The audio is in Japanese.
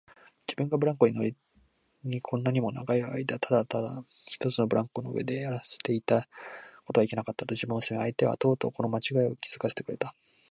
自分がブランコ乗りにこんなにも長いあいだただ一つのブランコの上でやらせていたことはいけなかった、と自分を責め、相手がとうとうこのまちがいに気づかせてくれた